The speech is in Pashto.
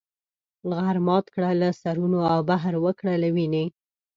غر مات کړه له سرونو او بحر وکړه له وینې.